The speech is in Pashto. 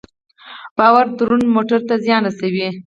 بار دروند موټر ته زیان رسوي.